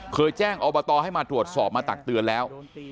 เคยแจ้งอบตให้มาตรวจสอบมาตักเตือนแล้ว